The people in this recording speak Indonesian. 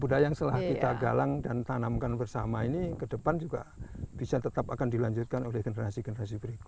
budaya yang setelah kita galang dan tanamkan bersama ini ke depan juga bisa tetap akan dilanjutkan oleh generasi generasi berikut